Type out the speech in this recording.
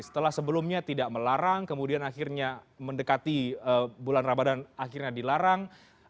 setelah sebelumnya tidak melarang kemudian akhirnya mendekati bulan ramadan akhirnya dilarang